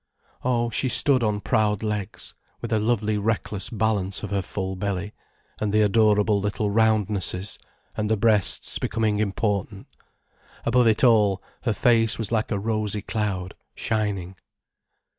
Oh, she stood on proud legs, with a lovely reckless balance of her full belly, and the adorable little roundnesses, and the breasts becoming important. Above it all, her face was like a rosy cloud shining.